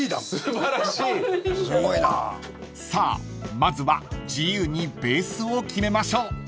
［さあまずは自由にベースを決めましょう］